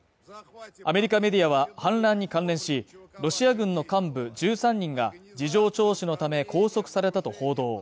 アメリカメディアは、反乱に関連し、ロシア軍の幹部１３人が事情聴取のため拘束されたと報道。